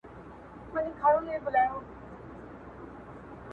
او مباح چاره پرېښودله شي